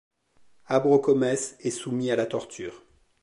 Habrocomès est soumis à la torture.